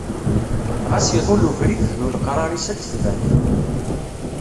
Ɣas iḍul ubrid d uleqrar-is ad d-tban.